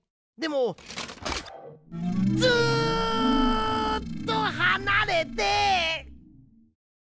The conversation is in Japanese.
ずっとはなれて。